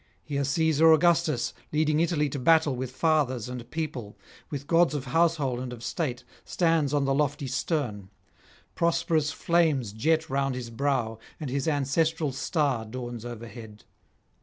Here Caesar Augustus, leading Italy to battle with Fathers and People, with gods of household and of state, stands on the lofty stern; prosperous flames jet round his brow, and his [682 715]ancestral star dawns overhead.